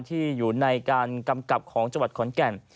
ที่อยู่ในการกำกับของจังหวัดขอนแก่น